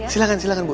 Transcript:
silahkan silahkan bu